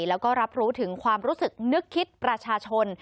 แล้วก็รับรู้ถึงความรู้สึกนึกคิดประชาชน